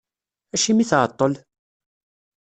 Acimi tεeṭṭel?